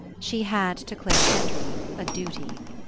She had to Clare Kendry a duty.